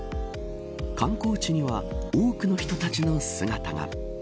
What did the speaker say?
観光地には多くの人立ちの姿が。